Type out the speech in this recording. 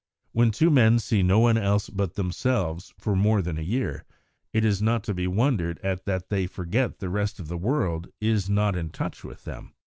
When two men see no one else but themselves for more than a year, it is not to be wondered at that they forget the rest of the world is not in touch with them.